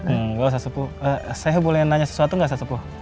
enggak ustad sepuh saya boleh nanya sesuatu gak ustad sepuh